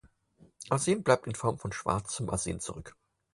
Arsen bleibt in Form von schwarzem Arsen zurück.